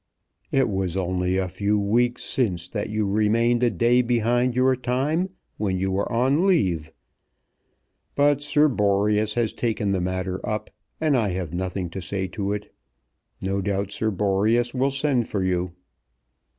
"It was only a few weeks since that you remained a day behind your time when you were on leave. But Sir Boreas has taken the matter up, and I have nothing to say to it. No doubt Sir Boreas will send for you."